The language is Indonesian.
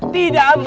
tunggu tunggu tunggu